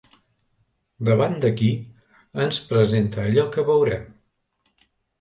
Davant d'aquí ens presenta allò que veurem.